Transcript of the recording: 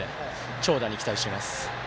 長打に期待しています。